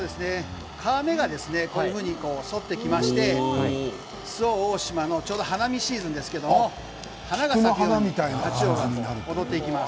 皮目がこういうふうに反ってきまして、周防大島のちょうど花見シーズンですけども花が咲くように太刀魚が踊っていきます。